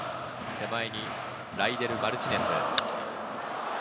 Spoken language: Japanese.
手前にライデル・マルティネス。